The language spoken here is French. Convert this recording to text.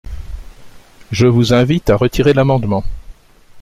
Je vous invite à retirer l’amendement.